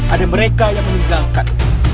ada mereka yang meninggalkan